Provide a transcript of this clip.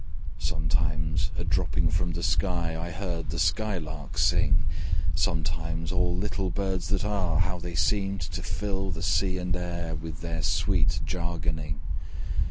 Sometimes a dropping from the sky I heard the sky lark sing; Sometimes all little birds that are, How they seemed to fill the sea and air With their sweet jargoning!